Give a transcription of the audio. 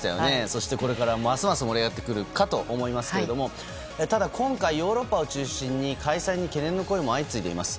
そして、これからますます盛り上がってくるかと思いますがただ、今回ヨーロッパを中心に開催に懸念の声も相次いでいます。